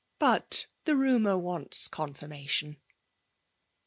But the rumour wants ocmiirmation.